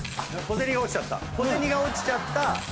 小銭が落ちちゃった。